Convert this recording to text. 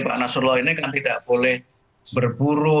pak nasrullah ini kan tidak boleh berburu